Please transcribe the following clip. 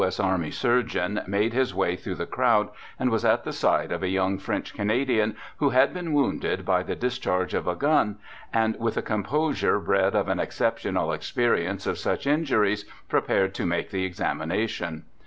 S. Army surgeon made his way through the crowd, and was at the side of a young French Canadian who had been wounded by the dis charge of a gun, and with a composure bred of an exceptional experience of such injuries, prepared to make the examination.